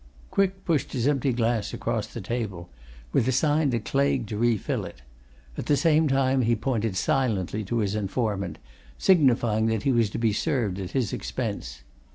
Quick pushed his empty glass across the table, with a sign to Claigue to refill it; at the same time he pointed silently to his informant, signifying that he was to be served at his expense.